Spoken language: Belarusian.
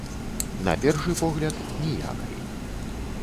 На першы погляд, ніякай.